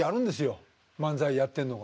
漫才やってんのが。